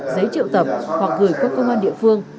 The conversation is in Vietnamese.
giấy triệu tập hoặc gửi qua công an địa phương